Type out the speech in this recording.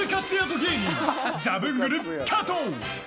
芸人ザブングル加藤！